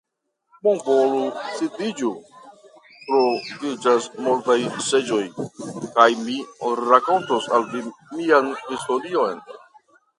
Bonvolu sidiĝi, troviĝas multaj seĝoj; kaj mi rakontos al vi mian historion.